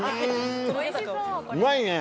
んうまいね。